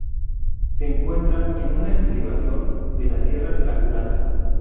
Se encuentra en una estribación de la Sierra La Culata.